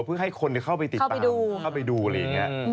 เพื่อท่านให้เข้าไปติดตามเข้าไปดูอะไรยังไงครับได้